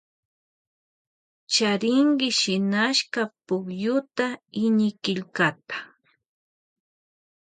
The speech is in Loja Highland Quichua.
Charinchi shinashka pukyupa iñikillkata.